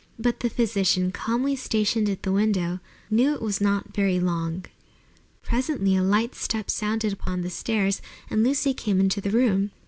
But the physician, calmly stationed at the window, knew it was not very long. Presently a light step sounded upon the stairs and Lucy came into the room.